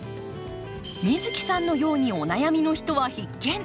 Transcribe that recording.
美月さんのようにお悩みの人は必見！